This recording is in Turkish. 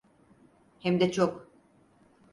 Hemde çok.